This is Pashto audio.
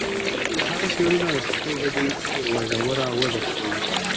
د هغه شعرونه د پښتو ژبې یوه ژوره وده ښیي.